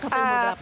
sampai umur berapa